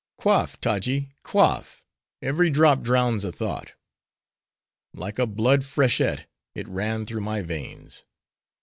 "Quaff, Taji, quaff! every drop drowns a thought!" Like a blood freshet, it ran through my veins.